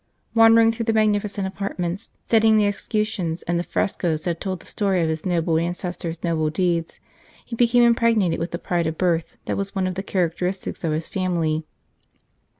Wander ing through the magnificent apartments, studying the escutcheons and the frescoes that told the story of his noble ancestors noble deeds, he became impregnated with the pride of birth that was one of the characteristics of his family.